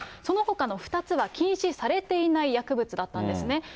そのほかの２つは、禁止されていない薬物だったんですね。